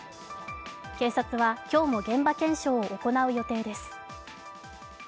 警察は今日も現場検証を行う予定です。